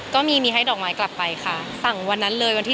ก็มีมีให้ดอกไม้กลับไปค่ะสั่งวันนั้นเลยวันที่๑